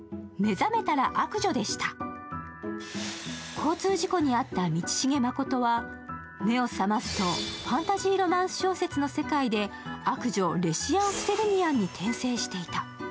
交通事故にあった道重真琴は目を覚ますとファンタジーロマンス小説の世界で悪女レシアン・フセルニアンに転生していた。